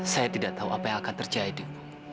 saya tidak tahu apa yang akan terjadi